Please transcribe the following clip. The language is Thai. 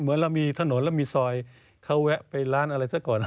เหมือนเรามีถนนเรามีซอยเขาแวะไปร้านอะไรซะก่อน